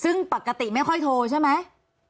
ซึ่งปกติไม่ค่อยโทรใช่ไหม